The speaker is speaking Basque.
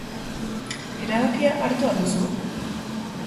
Erabakia hartu al duzu?